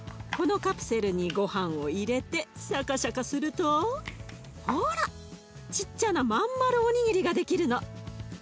このカプセルにごはんを入れてシャカシャカするとほらちっちゃな真ん丸おにぎりが出来るの。